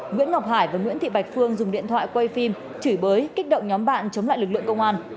nguyễn ngọc hải và nguyễn thị bạch phương dùng điện thoại quay phim chửi bới kích động nhóm bạn chống lại lực lượng công an